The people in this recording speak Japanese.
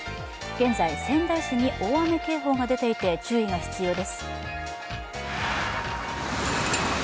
現在、仙台市に大雨警報が出ていて注意が必要です。